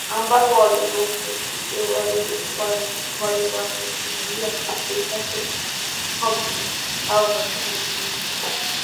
ambapo waliwafiatulia risasi polisi hao katika maeneo